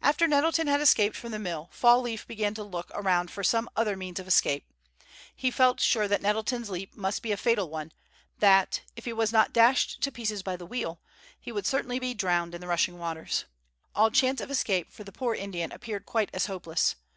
After Nettleton had escaped from the mill, Fall leaf began to look around for some other means of escape. He felt sure that Nettleton's leap must be a fatal one—that, if he was not dashed to pieces by the wheel, he would surely be drowned in the rushing waters. All chance of escape for the poor Indian appeared quite as hopeless.